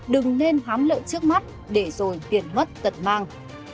đừng nên hám lợi trước mắt để rồi tiền mất tật mang